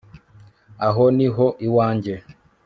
aho ni ho iwanjye